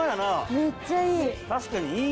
・めっちゃいい！